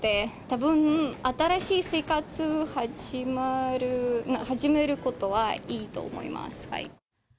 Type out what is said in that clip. たぶん、新しい生活を始めることは、いいと思います。